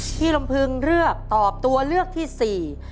พี่ลำพึงเลือกตอบตัวเลือกที่๔